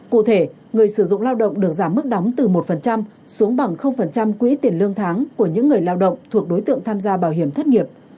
cụ thể người sử dụng lao động được giảm mức đóng từ một xuống bằng quỹ tiền lương tháng của những người lao động thuộc đối tượng tham gia bảo hiểm thất nghiệp